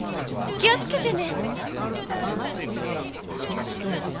気をつけてね。